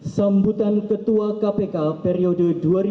sambutan ketua kpk periode dua ribu lima belas dua ribu sembilan belas